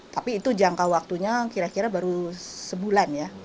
tapi itu jangka waktunya kira kira baru sebulan ya